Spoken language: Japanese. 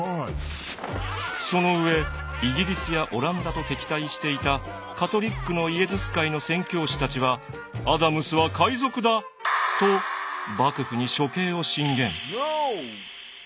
その上イギリスやオランダと敵対していたカトリックのイエズス会の宣教師たちは「アダムスは海賊だ！」と幕府に処刑を進言。